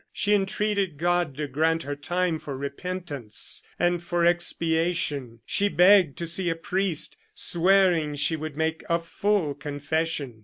She entreated God to grant her time for repentance and for expiation. She begged to see a priest, swearing she would make a full confession.